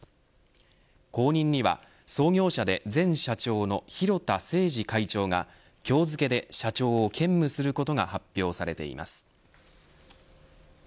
後任には、創業者で前社長の広田靖治会長が今日付で社長を兼務することが発表されています。